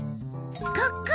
ここ！